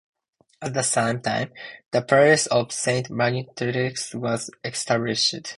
At the same time, the parish of Saint Mauritius was established.